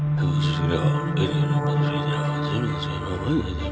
aku tidak akan pernah meninggalkan tempat ini